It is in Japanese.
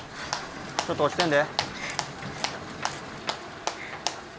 ちょっと落ちてんで。